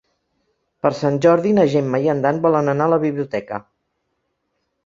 Per Sant Jordi na Gemma i en Dan volen anar a la biblioteca.